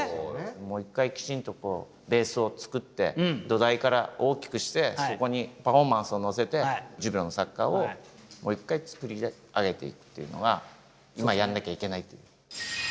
もう一回きちんとこうベースを作って土台から大きくしてそこにパフォーマンスを乗せてジュビロのサッカーをもう一回作り上げていくっていうのが今やんなきゃいけないっていう。